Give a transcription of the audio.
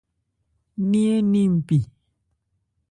Ní ń ni npi.